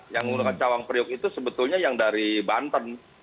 yang menggunakan cawang priuk itu sebetulnya yang dari banten